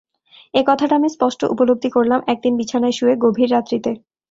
এ কথাটা আমি স্পষ্ট উপলব্ধি করলাম একদিন বিছানায় শুয়ে গভীর রাত্রিতে।